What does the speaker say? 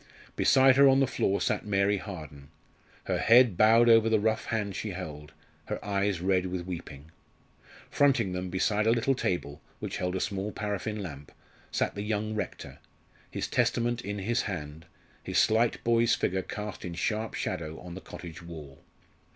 Beside her on the floor sat Mary Harden, her head bowed over the rough hand she held, her eyes red with weeping. Fronting them, beside a little table, which held a small paraffin lamp, sat the young rector, his Testament in his hand, his slight boy's figure cast in sharp shadow on the cottage wall.